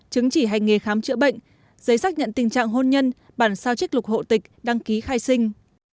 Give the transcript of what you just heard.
chứng chỉ hành nghề khám chữa bệnh giấy xác nhận tình trạng hôn nhân bản sao trích lục hộ tịch đăng ký khai sinh